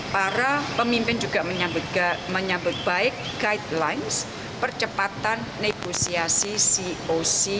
para pemimpin juga menyambut baik guidelines percepatan negosiasi coc